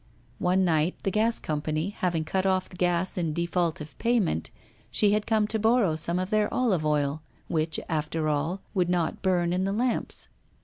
One night, the gas company having cut off the gas in default of payment, she had come to borrow some of their olive oil, which, after all, would not burn in the lamps.